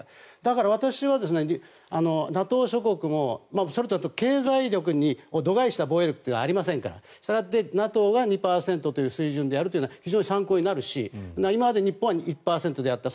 私はＮＡＴＯ諸国もそれと、経済力を度外視した防衛力というのはありませんからしたがって、ＮＡＴＯが２％という水準でやるというのは非常に参考になるし今まで日本では１％であった。